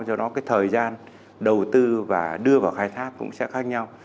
do đó cái thời gian đầu tư và đưa vào khai thác cũng sẽ khác nhau